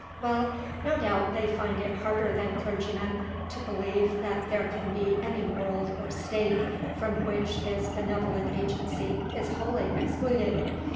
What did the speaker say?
Well, no doubt they find it harder than clergymen to believe that there can be any world or state from which this benevolent agency is wholly excluded.